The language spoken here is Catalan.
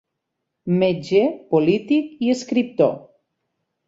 Metge, polític i escriptor.